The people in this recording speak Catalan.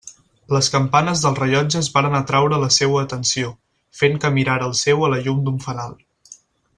Les campanes dels rellotges varen atraure la seua atenció, fent que mirara el seu a la llum d'un fanal.